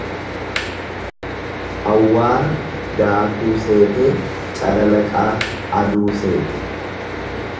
Awwaara daakuu seetee calalaqaa aduu seete.